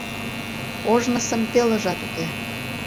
Ожнысым пелыжат уке.